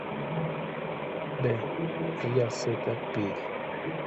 V, ría-Z; "vid".